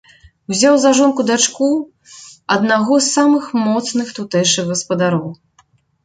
Узяў за жонку дачку аднаго з самых моцных тутэйшых гаспадароў.